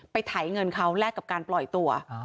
ไถเงินเขาแลกกับการปล่อยตัว